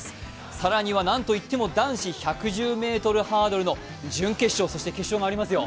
更にはなんといっても男子１１０ｍハードルの準決勝、そして決勝がありますよ。